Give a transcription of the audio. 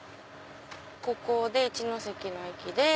ここで一ノ関の駅で。